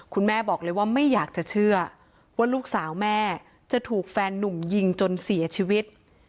คุณแม่บอกเลยว่าไม่อยากจะเชื่อว่าลูกสาวแม่จะถูกแฟนนุ่มยิงจนเสียชีวิต